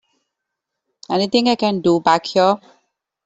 Anything I can do back here?